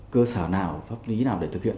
cơ sở nào pháp lý nào để thực hiện